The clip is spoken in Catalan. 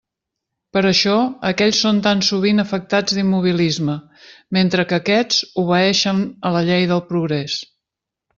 Per això aquells són tan sovint afectats d'immobilisme, mentre que aquests obeeixen a la llei del progrés.